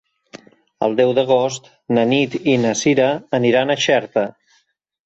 El deu d'agost na Nit i na Sira aniran a Xerta.